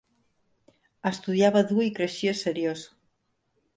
Estudiava dur i creixia seriós.